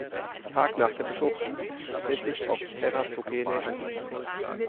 Tag nach der Befruchtung, empfindlich auf teratogene Einflüsse.